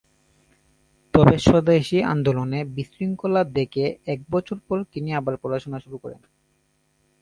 তবে স্বদেশী আন্দোলনে বিশৃঙ্খলা দেখে এক বছর পর তিনি আবার পড়াশোনা শুরু করেন।